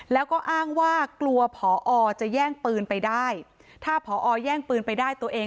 แล้วก็อ้างว่ากลัวผอจะแย่งปืนไปได้ถ้าผอแย่งปืนไปได้ตัวเอง